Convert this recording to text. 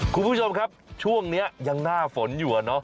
คุณผู้ชมครับช่วงนี้ยังหน้าฝนอยู่เนอะ